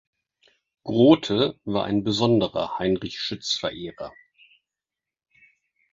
Grote war ein besonderer Heinrich Schütz-Verehrer.